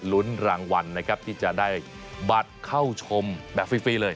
ลุ้นรางวัลนะครับที่จะได้บัตรเข้าชมแบบฟรีเลย